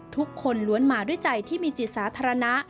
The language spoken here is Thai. ทุกคนล้วนมาด้วยใจที่มีจิตสาธารณะ